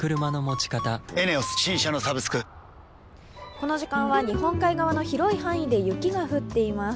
この時間は日本海側の広い範囲で雪が降っています。